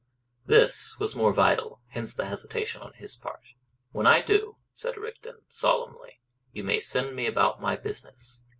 This was more vital; hence the hesitation on his part. "When I do," said Rigden, solemnly, "you may send me about my business."